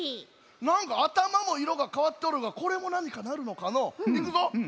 なんかあたまもいろがかわっとるがこれもなにかなるのかのう？いくぞ。